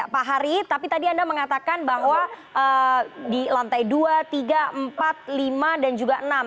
pak hari tapi tadi anda mengatakan bahwa di lantai dua tiga empat lima dan juga enam